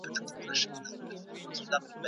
موږ باید ټولنیزې ستونزې حل کړو.